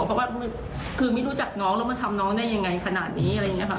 เพราะว่าคือไม่รู้จักน้องแล้วมันทำน้องได้อย่างไรขนาดนี้